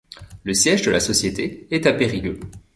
Le siège de la société est à Périgueux.